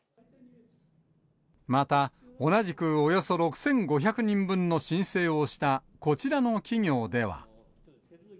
また同じくおよそ６５００人分の申請をしたこちらの企業では。